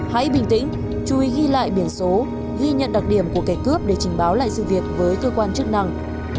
hãy bình tĩnh chui ghi lại biển số ghi nhận đặc điểm của kẻ cướp để trình báo lại sự việc với cơ quan chức năng